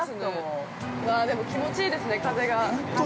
気持ちいいですね、風が。